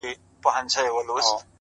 • هو په همزولو کي له ټولو څخه پاس يمه ـ